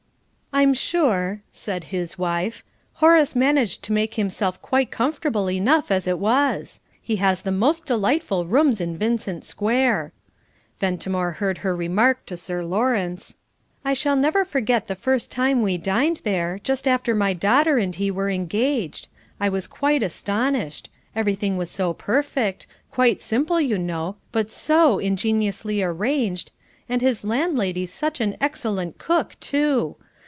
"I'm sure," said his wife, "Horace managed to make himself quite comfortable enough as it was. He has the most delightful rooms in Vincent Square." Ventimore heard her remark to Sir Lawrence: "I shall never forget the first time we dined there, just after my daughter and he were engaged. I was quite astonished: everything was so perfect quite simple, you know, but so ingeniously arranged, and his landlady such an excellent cook, too!